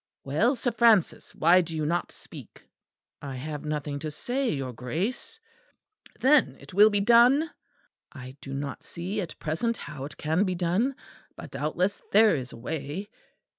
"Well, Sir Francis, why do you not speak?" "I have nothing to say, your Grace." "Then it will be done?" "I do not see at present how it can be done, but doubtless there is a way."